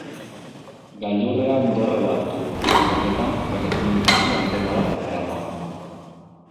Gailurrean dorre bat du, honetan telekomunikazio antena bat darama.